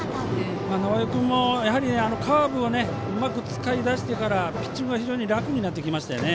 直江君もカーブをうまく使いだしてからピッチングが非常に楽になってきましたよね。